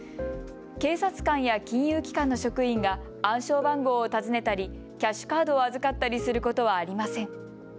警察官や金融機関の職員が暗証番号を尋ねたりキャッシュカードを預かったりすることはありません。